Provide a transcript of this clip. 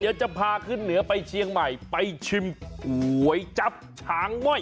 เดี๋ยวจะพาขึ้นเหนือไปเชียงใหม่ไปชิมก๋วยจับฉางม่อย